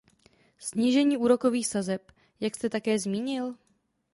Snížení úrokových sazeb, jak jste také zmínil?